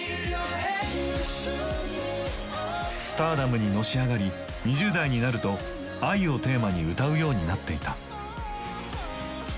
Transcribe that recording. スターダムにのし上がり２０代になると「愛」をテーマに歌うようになっていた。